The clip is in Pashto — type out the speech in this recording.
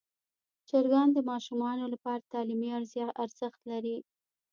چرګان د ماشومانو لپاره تعلیمي ارزښت لري.